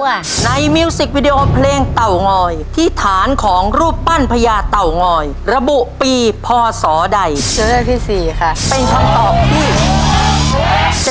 วันนี้นะ